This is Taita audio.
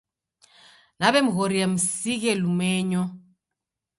Nawemghoria msighe lumenyo.